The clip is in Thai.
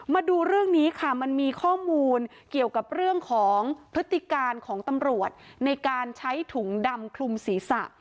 มาดูเรื่องนี้ค่ะมันมีข้อมูลเกี่ยวกับเรื่องของพฤติการของตำรวจในการใช้ถุงดำคลุมศีรษะ